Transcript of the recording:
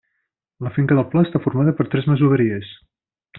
La finca del Pla està formada per tres masoveries.